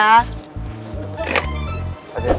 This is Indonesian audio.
lem kamu udah